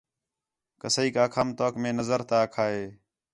کسائیک آکھام توک مئے نظر تا آکھا ہے